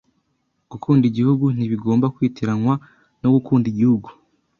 Gukunda igihugu ntibigomba kwitiranywa no gukunda igihugu.